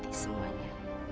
gue bisa menikmati semuanya